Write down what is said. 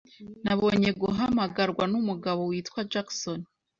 Nabonye guhamagarwa numugabo witwa Jackson.